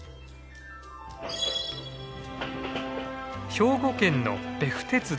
兵庫県の別府鉄道。